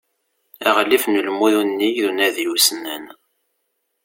Aɣlif n ulmud unnig d unadi ussnan.